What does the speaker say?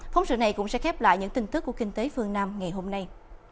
phóng sự này cũng sẽ khép lại những tin tức của kinh tế phương nam ngày hôm nay